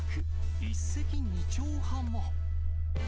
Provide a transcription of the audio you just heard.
一石二鳥派も。